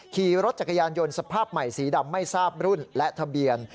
ขี่รถจักรยานยนต์สภาพใหม่สีดำไม่ทราบรุ่นและทะเบียน